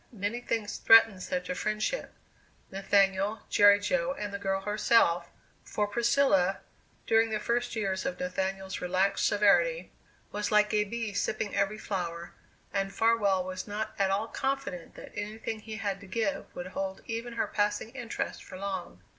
Many things threatened such a friendship Nathaniel, Jerry Jo, and the girl herself for Priscilla, during the first years of Nathaniel's relaxed severity, was like a bee sipping every flower, and Farwell was not at all confident that anything he had to give would hold even her passing interest for long.